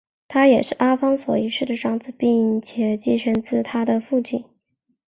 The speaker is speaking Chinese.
他是阿方索一世的长子并且继任自他的父亲。